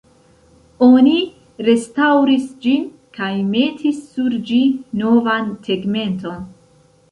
Oni restaŭris ĝin kaj metis sur ĝi novan tegmenton.